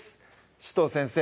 紫藤先生